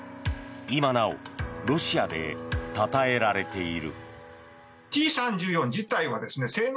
今なおロシアでたたえられている。